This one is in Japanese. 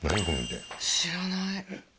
知らない。